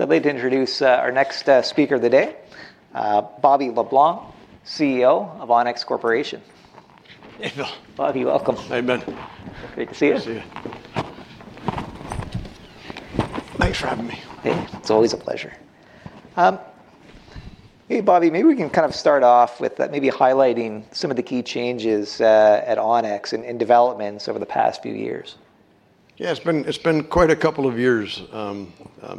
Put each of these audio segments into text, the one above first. I'd like to introduce our next speaker of the day, Bobby LeBlanc, CEO of Onex Corporation. Bobby, welcome. Hey, Ben. Great to see you. Great to see you. Thanks for having me. It's always a pleasure. Hey, Bobby, maybe we can kind of start off with maybe highlighting some of the key changes at Onex and developments over the past few years. Yeah, it's been quite a couple of years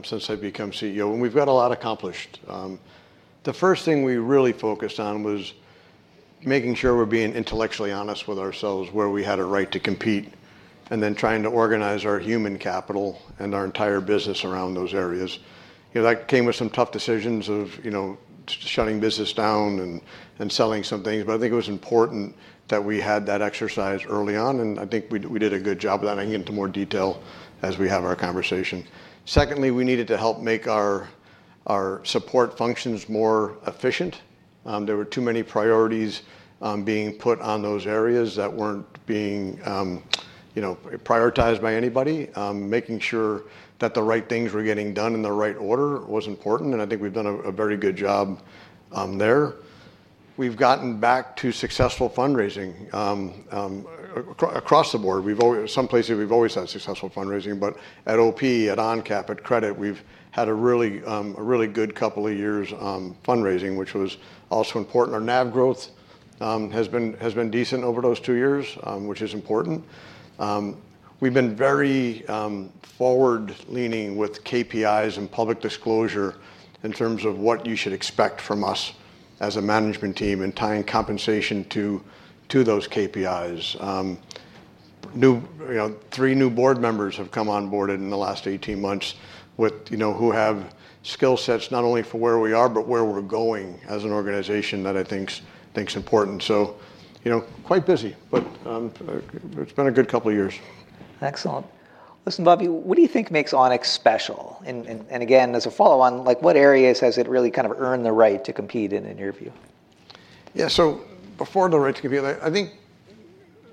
since I've become CEO, and we've got a lot accomplished. The first thing we really focused on was making sure we're being intellectually honest with ourselves where we had a right to compete, and then trying to organize our human capital and our entire business around those areas. That came with some tough decisions of shutting business down and selling some things, but I think it was important that we had that exercise early on, and I think we did a good job of that. I can get into more detail as we have our conversation. Secondly, we needed to help make our support functions more efficient. There were too many priorities being put on those areas that weren't being prioritized by anybody. Making sure that the right things were getting done in the right order was important, and I think we've done a very good job there. We've gotten back to successful fundraising across the board. Some places we've always had successful fundraising, but at OP, at OnCap, at Credit, we've had a really good couple of years fundraising, which was also important. Our NAV growth has been decent over those two years, which is important. We've been very forward-leaning with KPIs and public disclosure in terms of what you should expect from us as a management team and tying compensation to those KPIs. Three new board members have come onboarded in the last 18 months who have skill sets not only for where we are, but where we're going as an organization that I think's important. Quite busy, but it's been a good couple of years. Excellent. Listen, Bobby, what do you think makes Onex special? As a follow-on, like what areas has it really kind of earned the right to compete in, in your view? Yeah, so before the right to compete, I think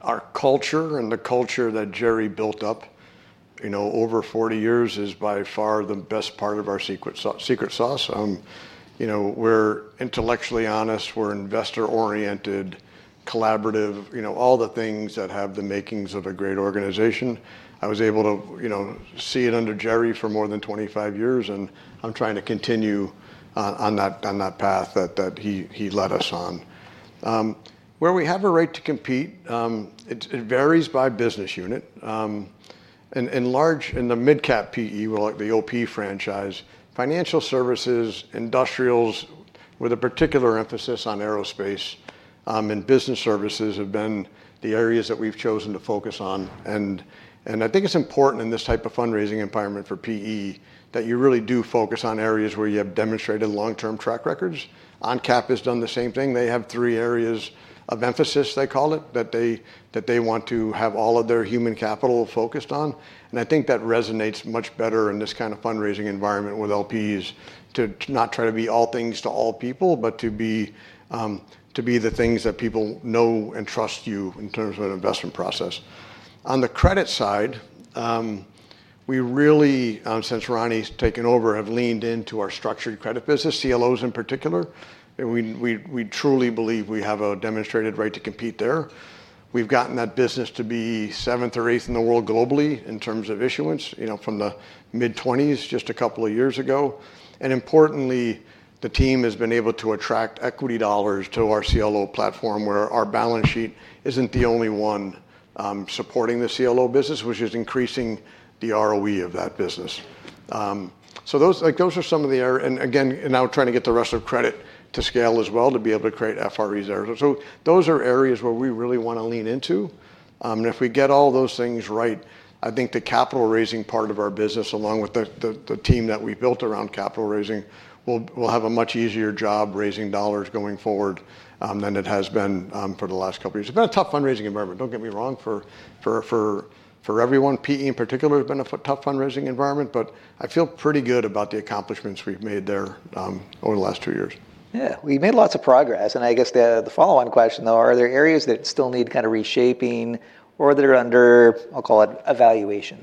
our culture and the culture that Gerry built up over 40 years is by far the best part of our secret sauce. We're intellectually honest, we're investor-oriented, collaborative, all the things that have the makings of a great organization. I was able to see it under Gerry for more than 25 years, and I'm trying to continue on that path that he led us on. Where we have a right to compete, it varies by business unit. In large, in the mid-cap private equity, the OP franchise, financial services, industrials, with a particular emphasis on aerospace, and business services have been the areas that we've chosen to focus on. I think it's important in this type of fundraising environment for private equity that you really do focus on areas where you have demonstrated long-term track records. OnCap has done the same thing. They have three areas of emphasis, they call it, that they want to have all of their human capital focused on. I think that resonates much better in this kind of fundraising environment with LPs to not try to be all things to all people, but to be the things that people know and trust you in terms of an investment process. On the Credit side, we really, since Ronnie's taken over, have leaned into our structured credit business, CLOs in particular. We truly believe we have a demonstrated right to compete there. We've gotten that business to be seventh or eighth in the world globally in terms of issuance, from the mid-20s just a couple of years ago. Importantly, the team has been able to attract equity dollars to our CLO platform where our balance sheet isn't the only one supporting the CLO business, which is increasing the ROE of that business. Those are some of the areas, and now trying to get the rest of Credit to scale as well to be able to create FREs there. Those are areas where we really want to lean into. If we get all those things right, I think the capital raising part of our business, along with the team that we built around capital raising, will have a much easier job raising dollars going forward than it has been for the last couple of years. It's been a tough fundraising environment, don't get me wrong, for everyone. PE in particular has been a tough fundraising environment, but I feel pretty good about the accomplishments we've made there over the last two years. Yeah, we've made lots of progress. I guess the follow-on question, though, are there areas that still need kind of reshaping or that are under, I'll call it, evaluation?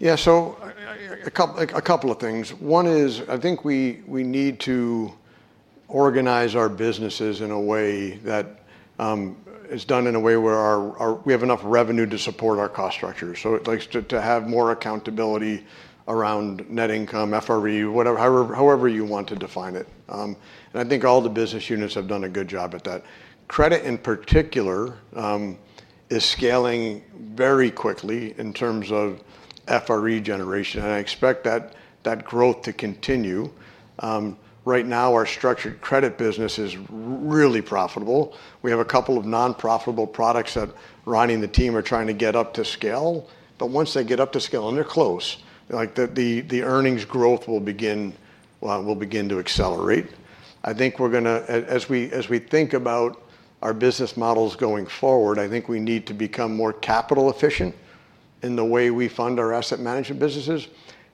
Yeah, so a couple of things. One is, I think we need to organize our businesses in a way that is done in a way where we have enough revenue to support our cost structures. It's nice to have more accountability around net income, FRE, whatever, however you want to define it. I think all the business units have done a good job at that. Credit in particular is scaling very quickly in terms of FRE generation. I expect that growth to continue. Right now, our structured credit business is really profitable. We have a couple of non-profitable products that Ronnie and the team are trying to get up to scale. Once they get up to scale, and they're close, the earnings growth will begin to accelerate. I think as we think about our business models going forward, we need to become more capital efficient in the way we fund our asset management businesses.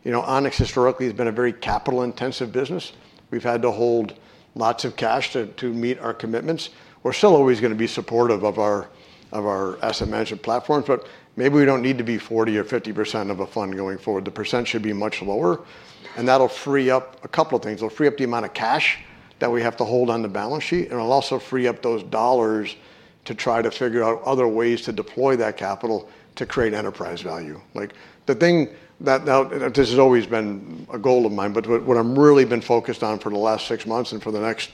You know, Onex historically has been a very capital intensive business. We've had to hold lots of cash to meet our commitments. We're still always going to be supportive of our asset management platforms, but maybe we don't need to be 40% or 50% of a fund going forward. The percent should be much lower. That'll free up a couple of things. It'll free up the amount of cash that we have to hold on the balance sheet. It'll also free up those dollars to try to figure out other ways to deploy that capital to create enterprise value. The thing that now, this has always been a goal of mine, but what I've really been focused on for the last six months and for the next,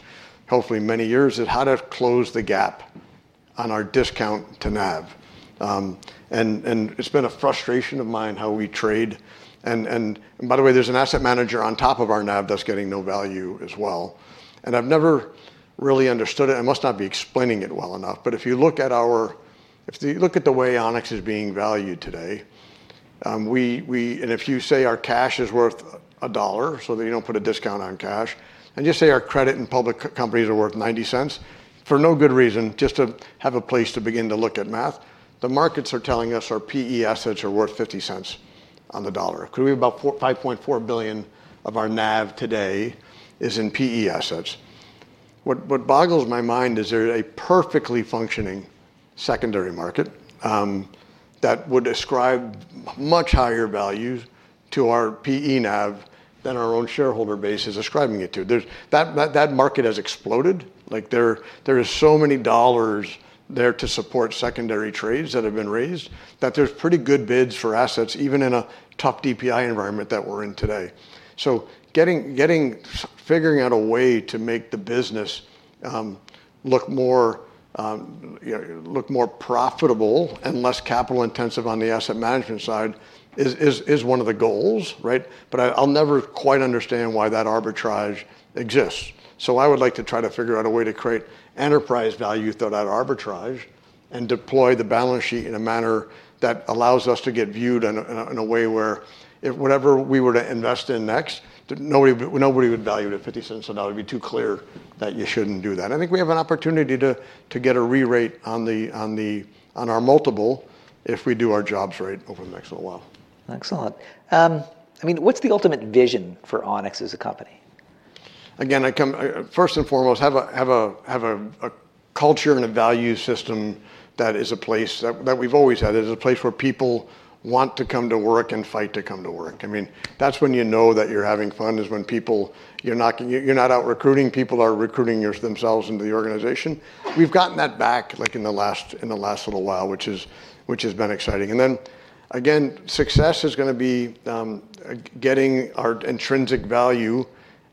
hopefully, many years is how to close the gap on our discount to NAV. It's been a frustration of mine how we trade. By the way, there's an asset manager on top of our NAV that's getting no value as well. I've never really understood it. I must not be explaining it well enough. If you look at our, if you look at the way Onex is being valued today, we, and if you say our cash is worth $1, so that you don't put a discount on cash, and just say our credit and public companies are worth $0.90, for no good reason, just to have a place to begin to look at math, the markets are telling us our PE assets are worth $0.50 on the dollar. We have about $5.4 billion of our NAV today in PE assets. What boggles my mind is there's a perfectly functioning secondary market that would ascribe much higher values to our PE NAV than our own shareholder base is ascribing it to. That market has exploded. There are so many dollars there to support secondary trades that have been raised that there's pretty good bids for assets, even in a tough DPI environment that we're in today. Getting, figuring out a way to make the business look more profitable and less capital intensive on the asset management side is one of the goals, right? I'll never quite understand why that arbitrage exists. I would like to try to figure out a way to create enterprise value through that arbitrage and deploy the balance sheet in a manner that allows us to get viewed in a way where whatever we were to invest in next, nobody would value it at $0.50 a dollar. It'd be too clear that you shouldn't do that. I think we have an opportunity to get a re-rate on our multiple if we do our jobs right over the next little while. Excellent. I mean, what's the ultimate vision for Onex as a company? Again, I come first and foremost, have a culture and a value system that is a place that we've always had. It is a place where people want to come to work and fight to come to work. I mean, that's when you know that you're having fun is when people, you're not out recruiting. People are recruiting themselves into the organization. We've gotten that back like in the last little while, which has been exciting. Success is going to be getting our intrinsic value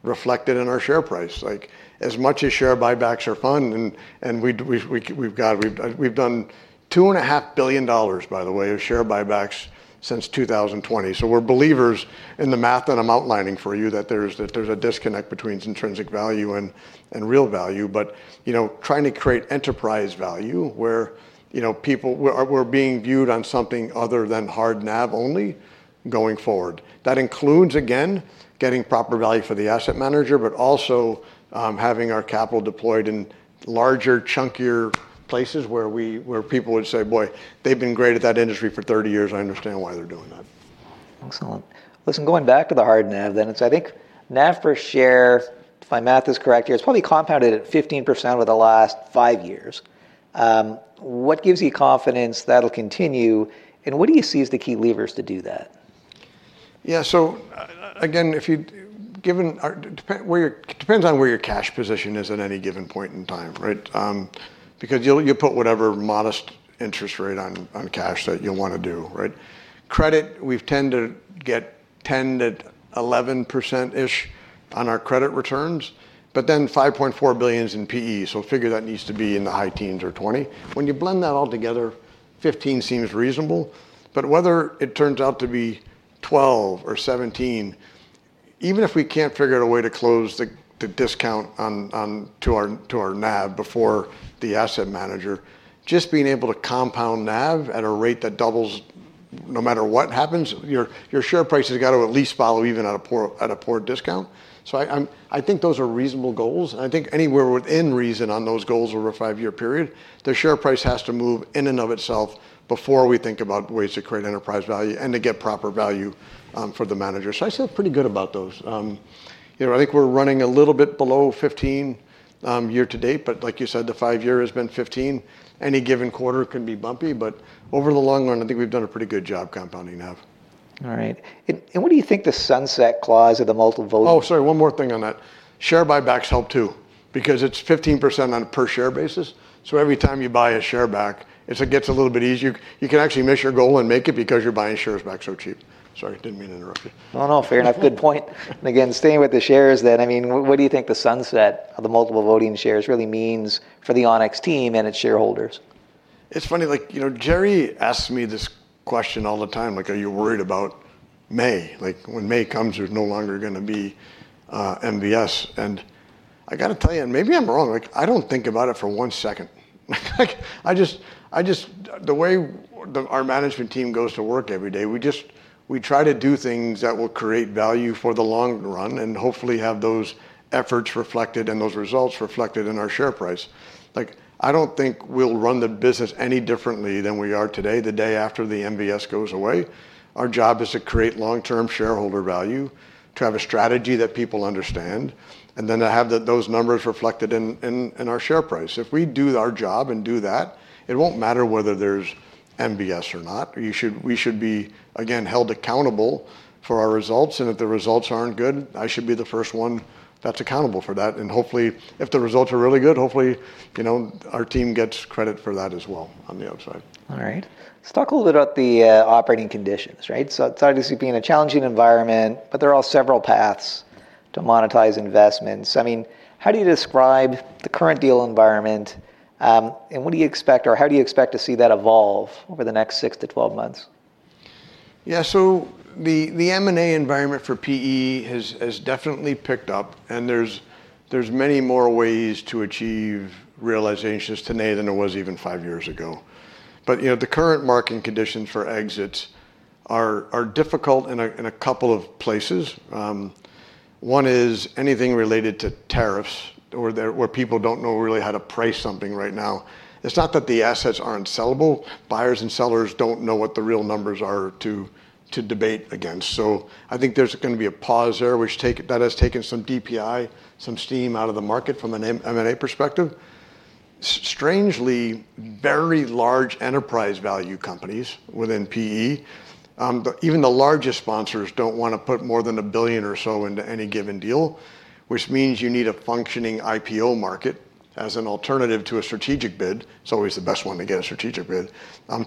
reflected in our share price. As much as share buybacks are fun, and we've got, we've done $2.5 billion, by the way, of share buybacks since 2020. We're believers in the math that I'm outlining for you that there's a disconnect between intrinsic value and real value. You know, trying to create enterprise value where you know people are being viewed on something other than hard NAV only going forward. That includes, again, getting proper value for the asset manager, but also having our capital deployed in larger, chunkier places where people would say, boy, they've been great at that industry for 30 years. I understand why they're doing that. Excellent. Listen, going back to the hard NAV then, I think NAV per share, if my math is correct here, it's probably compounded at 15% over the last five years. What gives you confidence that'll continue, and what do you see as the key levers to do that? Yeah, so again, if you, given where your, it depends on where your cash position is at any given point in time, right? Because you'll put whatever modest interest rate on cash that you'll want to do, right? Credit, we've tended to get 10%- 11% on our Credit returns, but then $5.4 billion is in PE, so figure that needs to be in the high teens or 20. When you blend that all together, 15% seems reasonable. Whether it turns out to be 12% or 17%, even if we can't figure out a way to close the discount onto our NAV before the asset manager, just being able to compound NAV at a rate that doubles no matter what happens, your share price has got to at least follow even at a poor discount. I think those are reasonable goals, and I think anywhere within reason on those goals over a five-year period, the share price has to move in and of itself before we think about ways to create enterprise value and to get proper value for the manager. I feel pretty good about those. I think we're running a little bit below 15% year to date, but like you said, the five-year has been 15%. Any given quarter can be bumpy, but over the long run, I think we've done a pretty good job compounding NAV. All right. What do you think the sunset clause of the multiple... Oh, sorry, one more thing on that. Share buybacks help too, because it's 15% on a per share basis. Every time you buy a share back, it gets a little bit easier. You can actually miss your goal and make it because you're buying shares back so cheap. Sorry, I didn't mean to interrupt you. No, fair enough. Good point. Again, staying with the shares, what do you think the sunset of the multiple voting shares really means for the Onex team and its shareholders? It's funny, you know, Gerry asks me this question all the time, like, are you worried about May? When May comes, there's no longer going to be MBS. I got to tell you, and maybe I'm wrong, I don't think about it for one second. The way our management team goes to work every day, we try to do things that will create value for the long run and hopefully have those efforts reflected and those results reflected in our share price. I don't think we'll run the business any differently than we are today the day after the MBS goes away. Our job is to create long-term shareholder value, to have a strategy that people understand, and then to have those numbers reflected in our share price. If we do our job and do that, it won't matter whether there's MBS or not. We should be held accountable for our results, and if the results aren't good, I should be the first one that's accountable for that. Hopefully, if the results are really good, our team gets credit for that as well on the outside. All right. Let's talk a little bit about the operating conditions, right? It's obviously been a challenging environment, but there are several paths to monetize investments. How do you describe the current deal environment, and what do you expect, or how do you expect to see that evolve over the next 6- 12 months? Yeah, the M&A environment for PE has definitely picked up, and there's many more ways to achieve realizations today than there were even five years ago. The current market conditions for exits are difficult in a couple of places. One is anything related to tariffs, or people don't know really how to price something right now. It's not that the assets aren't sellable. Buyers and sellers don't know what the real numbers are to debate against. I think there's going to be a pause there, which has taken some DPI, some steam out of the market from an M&A perspective. Strangely, very large enterprise value companies within PE, even the largest sponsors, don't want to put more than $1 billion or so into any given deal, which means you need a functioning IPO market as an alternative to a strategic bid. It's always the best to get a strategic bid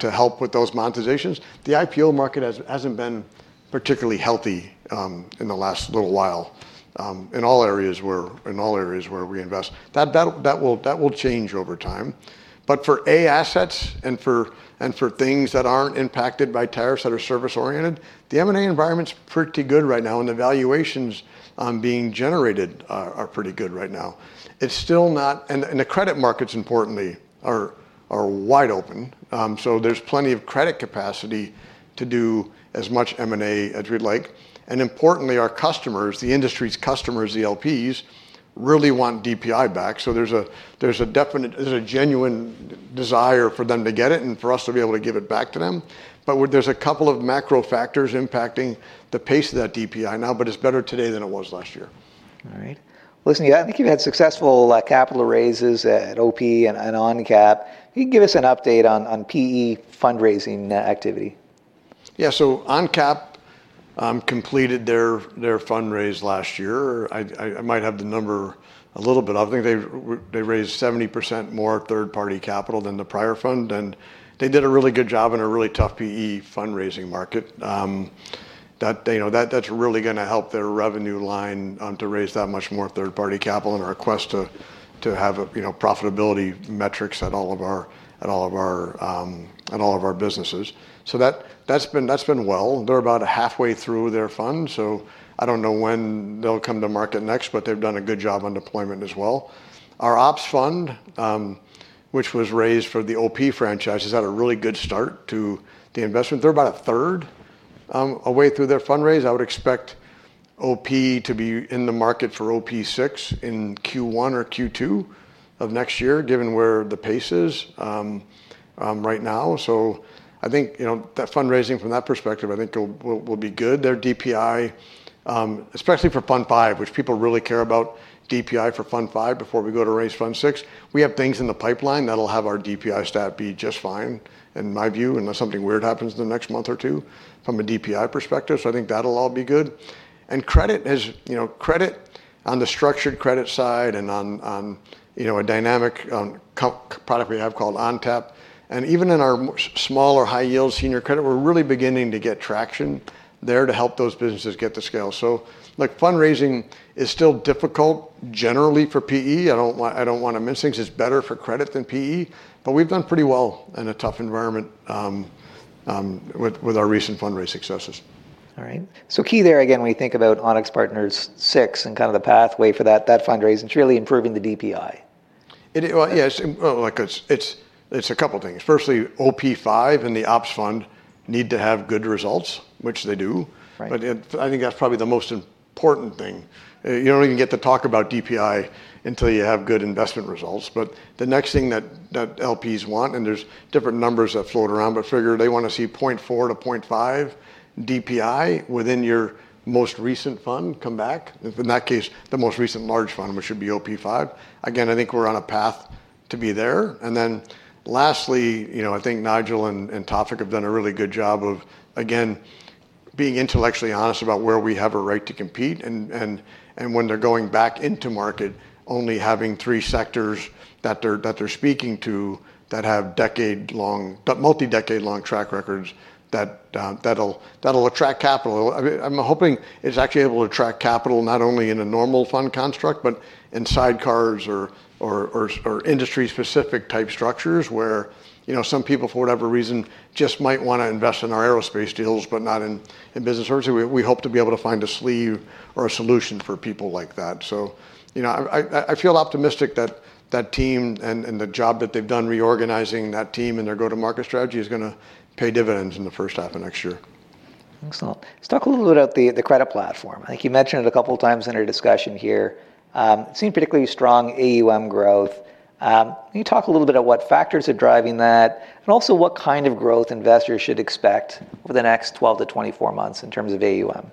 to help with those monetizations. The IPO market hasn't been particularly healthy in the last little while in all areas where we invest. That will change over time. For A assets and for things that aren't impacted by tariffs that are service-oriented, the M&A environment's pretty good right now, and the valuations being generated are pretty good right now. It's still not, and the credit markets, importantly, are wide open. There's plenty of credit capacity to do as much M&A as we'd like. Importantly, our customers, the industry's customers, the LPs, really want DPI back. There's a genuine desire for them to get it and for us to be able to give it back to them. There's a couple of macro factors impacting the pace of that DPI now, but it's better today than it was last year. All right. I think you've had successful capital raises at OP and OnCap. Can you give us an update on PE fundraising activity? Yeah, so OnCap completed their fundraise last year. I might have the number a little bit up. I think they raised 70% more third-party capital than the prior fund. They did a really good job in a really tough PE fundraising market. That's really going to help their revenue line to raise that much more third-party capital in our quest to have profitability metrics at all of our businesses. That's been well. They're about halfway through their fund. I don't know when they'll come to market next, but they've done a good job on deployment as well. Our OP fund, which was raised for the OP franchise, has had a really good start to the investment. They're about a third away through their fundraise. I would expect OP to be in the market for OP6 in Q1 or Q2 of next year, given where the pace is right now. I think that fundraising from that perspective, I think, will be good. Their DPI, especially for fund five, which people really care about DPI for fund five before we go to raise fund six, we have things in the pipeline that'll have our DPI stat be just fine in my view, unless something weird happens in the next month or two from a DPI perspective. I think that'll all be good. Credit has, you know, credit on the structured credit side and on, you know, a dynamic product we have called OnTap. Even in our smaller high-yield senior credit, we're really beginning to get traction there to help those businesses get to scale. Look, fundraising is still difficult generally for PE. I don't want to miss things. It's better for credit than PE. We've done pretty well in a tough environment with our recent fundraising successes. All right. Key there, again, when you think about Onex Partners VI and kind of the pathway for that fundraising, it's really improving the DPI. Yes, it's a couple of things. Firstly, OP5 and the ops fund need to have good results, which they do. I think that's probably the most important thing. You don't even get to talk about DPI until you have good investment results. The next thing that LPs want, and there's different numbers that float around, but figure they want to see 0.4 DPI - 0.5 DPI within your most recent fund come back. In that case, the most recent large fund, which should be OP5. I think we're on a path to be there. Lastly, I think Nigel and Toppik have done a really good job of, again, being intellectually honest about where we have a right to compete. When they're going back into market, only having three sectors that they're speaking to that have decade-long, multi-decade-long track records that'll attract capital. I'm hoping it's actually able to attract capital not only in a normal fund construct, but in sidecars or industry-specific type structures where some people for whatever reason just might want to invest in our aerospace deals, but not in business. We hope to be able to find a sleeve or a solution for people like that. I feel optimistic that that team and the job that they've done reorganizing that team and their go-to-market strategy is going to pay dividends in the first half of next year. Excellent. Let's talk a little bit about the Credit platform. I think you mentioned it a couple of times in our discussion here. It seemed particularly strong AUM growth. Can you talk a little bit about what factors are driving that and also what kind of growth investors should expect for the next 12 months - 24 months in terms of AUM?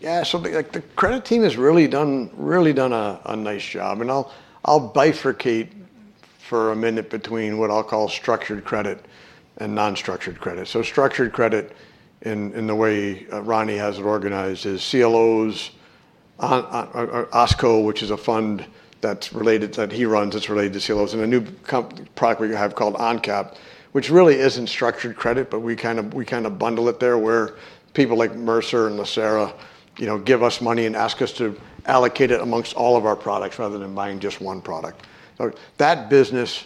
Yeah, something like the credit team has really done a nice job. I'll bifurcate for a minute between what I'll call structured credit and non-structured credit. Structured credit in the way Ronnie has it organized is CLOs, OSCO, which is a fund that's related to that he runs. It's related to CLOs. A new product we have called OnCap really isn't structured credit, but we kind of bundle it there where people like Mercer and Lacera give us money and ask us to allocate it amongst all of our products rather than buying just one product. That business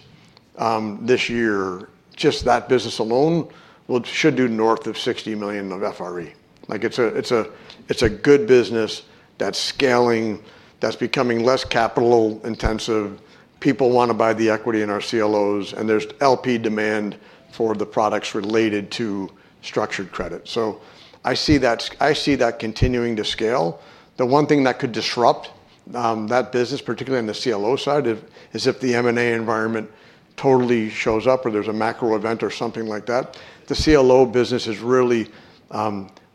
this year, just that business alone, should do north of $60 million of FRE. It's a good business that's scaling, that's becoming less capital intensive. People want to buy the equity in our CLOs, and there's LP demand for the products related to structured credit. I see that continuing to scale. The one thing that could disrupt that business, particularly on the CLO side, is if the M&A environment totally shows up or there's a macro event or something like that. The CLO business is really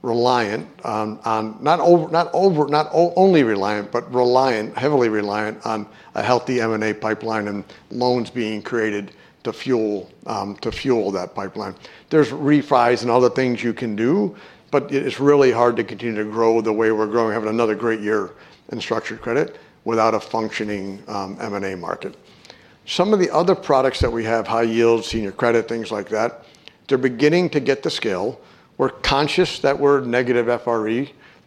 reliant on, not only reliant, but heavily reliant on a healthy M&A pipeline and loans being created to fuel that pipeline. There are refis and other things you can do, but it's really hard to continue to grow the way we're growing, having another great year in structured credit without a functioning M&A market. Some of the other products that we have, high yield, senior credit, things like that, they're beginning to get to scale. We're conscious that we're negative FRE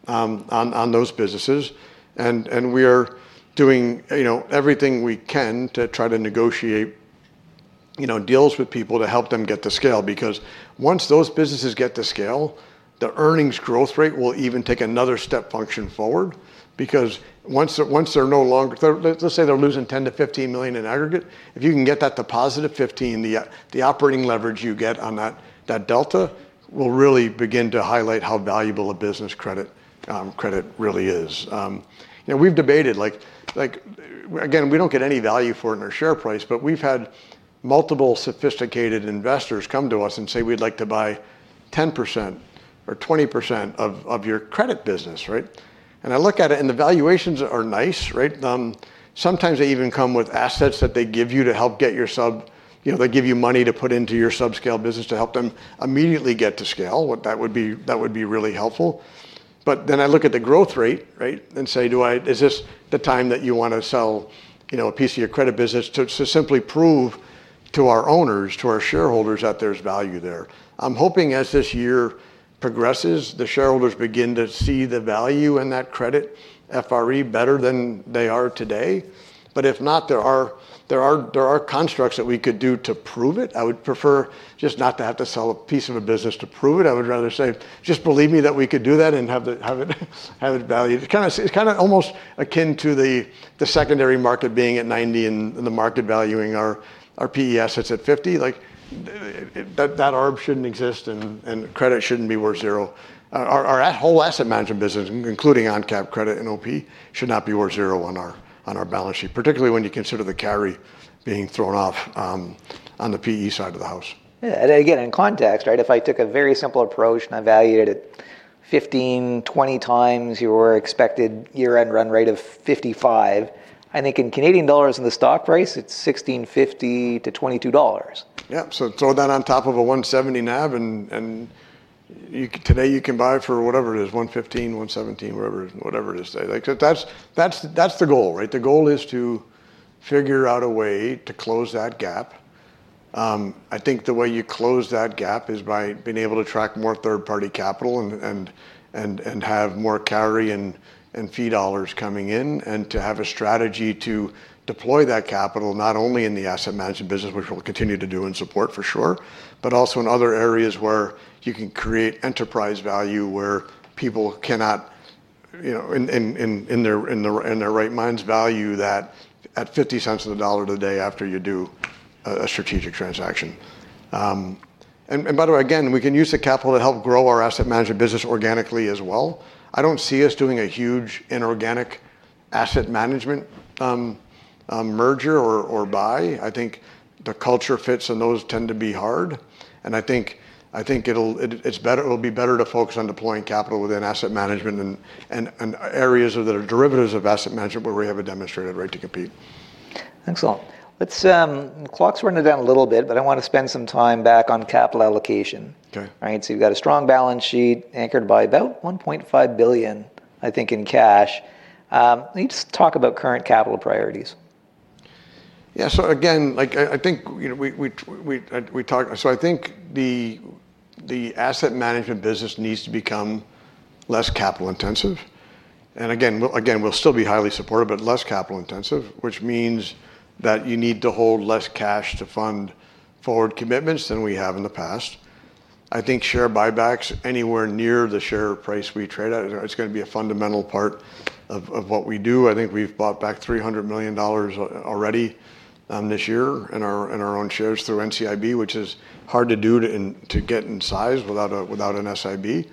on those businesses, and we are doing everything we can to try to negotiate deals with people to help them get to scale. Once those businesses get to scale, the earnings growth rate will even take another step function forward. Once they're no longer, let's say they're losing $10 million - $15 million in aggregate, if you can get that to positive $15 million, the operating leverage you get on that delta will really begin to highlight how valuable a business credit really is. We've debated, like, again, we don't get any value for it in our share price, but we've had multiple sophisticated investors come to us and say we'd like to buy 10% or 20% of your credit business, right? I look at it and the valuations are nice, right? Sometimes they even come with assets that they give you to help get your sub, you know, they give you money to put into your subscale business to help them immediately get to scale. That would be really helpful. I look at the growth rate, right, and say, do I, is this the time that you want to sell, you know, a piece of your Credit business to simply prove to our owners, to our shareholders that there's value there? I'm hoping as this year progresses, the shareholders begin to see the value in that Credit FRE better than they are today. If not, there are constructs that we could do to prove it. I would prefer just not to have to sell a piece of a business to prove it. I would rather say, just believe me that we could do that and have it valued. It's kind of almost akin to the secondary market being at 90 and the market valuing our PE assets at 50. Like that ARB shouldn't exist and Credit shouldn't be worth zero. Our whole asset management business, including OnCap, Credit, and OP, should not be worth zero on our balance sheet, particularly when you consider the carry being thrown off on the PE side of the house. In context, right, if I took a very simple approach and I valued it 15x, 20 x your expected year-end run rate of $55, I think in Canadian dollars and the stock price, it's $16.50 - $22. Yeah, so throw that on top of a $170 NAV and today you can buy for whatever it is, $115, $117, whatever it is today. That's the goal, right? The goal is to figure out a way to close that gap. I think the way you close that gap is by being able to attract more third-party capital and have more carry and fee dollars coming in, and to have a strategy to deploy that capital not only in the asset management business, which we'll continue to do and support for sure, but also in other areas where you can create enterprise value where people cannot, you know, in their right minds value that at $0.50 on the dollar today after you do a strategic transaction. By the way, we can use the capital to help grow our asset management business organically as well. I don't see us doing a huge inorganic asset management merger or buy. I think the culture fits and those tend to be hard. I think it'll be better to focus on deploying capital within asset management and areas that are derivatives of asset management where we have a demonstrated right to compete. Excellent. The clock's running down a little bit, but I want to spend some time back on capital allocation. All right, so you've got a strong balance sheet anchored by about $1.5 billion, I think, in cash. Let's talk about current capital priorities. Yeah, so again, I think the asset management business needs to become less capital intensive. We'll still be highly supportive, but less capital intensive, which means that you need to hold less cash to fund forward commitments than we have in the past. I think share buybacks anywhere near the share price we trade at is going to be a fundamental part of what we do. I think we've bought back $300 million already this year in our own shares through NCIB, which is hard to do to get in size without an SIB.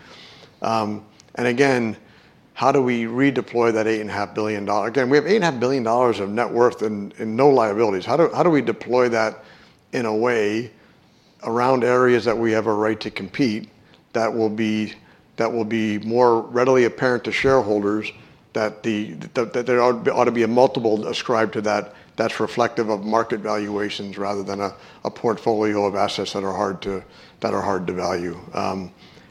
How do we redeploy that $8.5 billion? We have $8.5 billion of net worth and no liabilities. How do we deploy that in a way around areas that we have a right to compete that will be more readily apparent to shareholders that there ought to be a multiple ascribed to that that's reflective of market valuations rather than a portfolio of assets that are hard to value?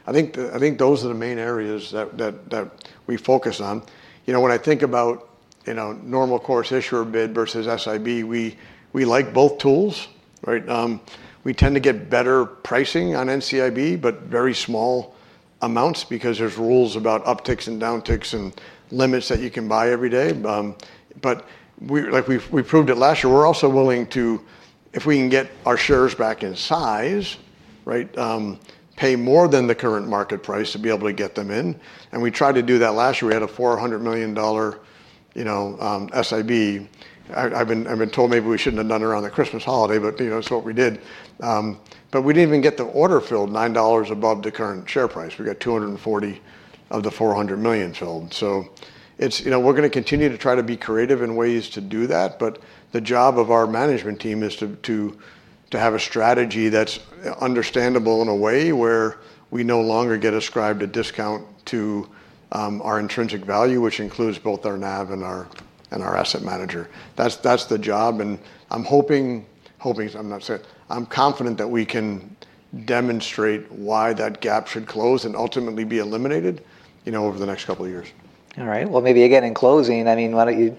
I think those are the main areas that we focus on. When I think about normal course issuer bid versus SIB, we like both tools, right? We tend to get better pricing on NCIB, but very small amounts because there's rules about upticks and downticks and limits that you can buy every day. Like we proved it last year, we're also willing to, if we can get our shares back in size, pay more than the current market price to be able to get them in. We tried to do that last year. We had a $400 million SIB. I've been told maybe we shouldn't have done it around the Christmas holiday, but that's what we did. We didn't even get the order filled $9 above the current share price. We got $240 million of the $400 million filled. We're going to continue to try to be creative in ways to do that. The job of our management team is to have a strategy that's understandable in a way where we no longer get ascribed a discount to our intrinsic value, which includes both our NAV and our asset manager. That's the job. I'm hoping, hoping, I'm not saying, I'm confident that we can demonstrate why that gap should close and ultimately be eliminated over the next couple of years. All right. Maybe again, in closing, why don't you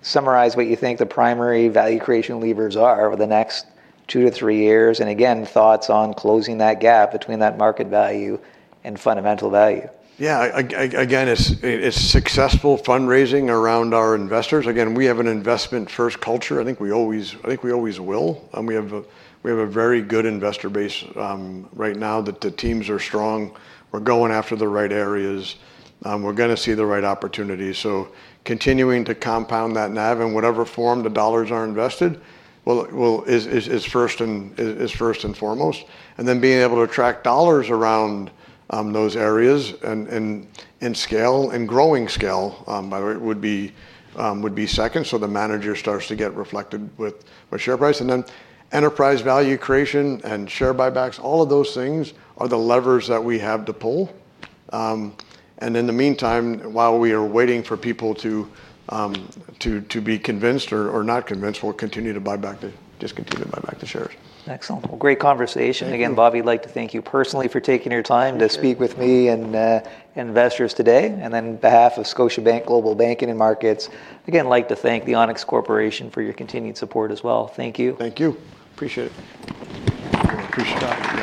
summarize what you think the primary value creation levers are over the next two to three years? Again, thoughts on closing that gap between that market value and fundamental value. Yeah, it's successful fundraising around our investors. We have an investment-first culture. I think we always will. We have a very good investor base right now. The teams are strong. We're going after the right areas. We're going to see the right opportunities. Continuing to compound that NAV in whatever form the dollars are invested is first and foremost. Being able to attract dollars around those areas and scale and growing scale, by the way, would be second. The manager starts to get reflected with share price. Enterprise value creation and share buybacks, all of those things are the levers that we have to pull. In the meantime, while we are waiting for people to be convinced or not convinced, we'll continue to buy back, to continue to buy back the shares. Excellent. Great conversation. Again, Bobby, I'd like to thank you personally for taking your time to speak with me and investors today. On behalf of Scotiabank Global Banking and Markets, I'd like to thank Onex Corporation for your continued support as well. Thank you. Thank you. Appreciate it. I'm [Chris Topple].